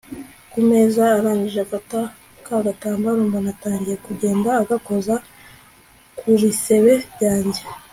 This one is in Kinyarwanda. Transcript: kumeza arangije afata kagatambaro mbona atangiye kugenda agakoza kubisebe byanjye